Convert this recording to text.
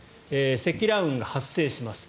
積乱雲が発生します。